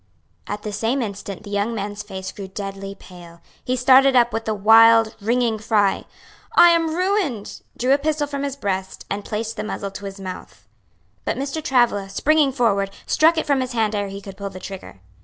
At the same instant the young man's face grew deadly pale, he started up with a wild, ringing cry, "I am ruined!" drew a pistol from his breast, and placed the muzzle to his mouth. But Mr. Travilla, springing forward, struck it from his hand ere he could pull the trigger.